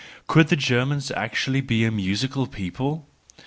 Could the Germans actually be a musical people?